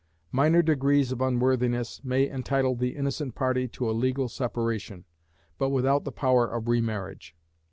Minor degrees of unworthiness may entitle the innocent party to a legal separation, but without the power of re marriage.